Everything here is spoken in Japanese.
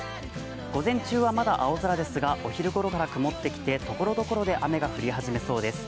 午前中はまだ青空ですがお昼ごろから曇ってきてところどころで雨が降り始めそうです。